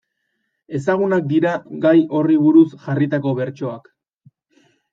Ezagunak dira gai horri buruz jarritako bertsoak.